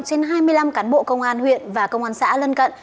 trên hai mươi năm cán bộ công an huyện và công an xã lân cận